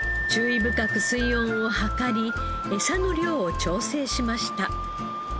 深く水温を測り餌の量を調整しました。